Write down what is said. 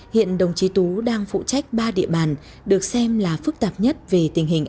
hiện đồng chí tú đang phụ trách ba địa bàn được xem là phức tạp nhất về tình hình